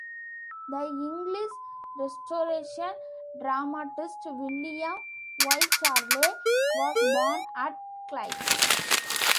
The English Restoration dramatist William Wycherley was born at Clive.